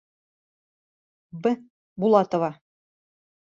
Б. БУЛАТОВА.